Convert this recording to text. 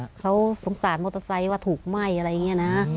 เขาสงสารมอเตอร์ไซค์ว่าถูกไหม้อะไรอย่างนี้นะ